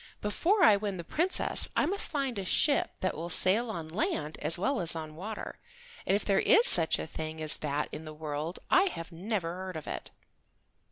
Before I win the Princess I must find a ship that will sail on land as well as on water, and if there is such a thing as that in the world I have never heard of it."